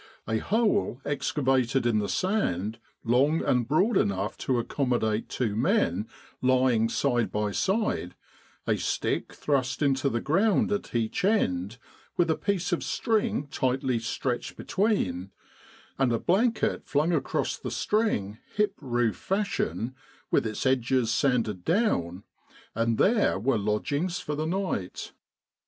A hole excavated in the sand long and broad enough to accommodate two men lying side by side, a stick thrust into the ground at each end, with a piece of string tightly stretched between, and a blanket flung across the string hip roof fashion, with its edges sanded down and there were leggings for the night.